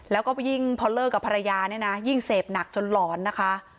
แล้วก็ยิ่งพอเลิกกับภรรยาเนี่ยนะยิ่งเสพหนักจนหลอนนะคะ